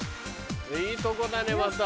いいとこだねまた